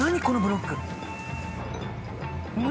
このブロック。